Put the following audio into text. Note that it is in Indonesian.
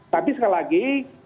tapi sekali lagi